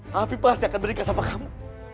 habib pasti akan berikah sama kamu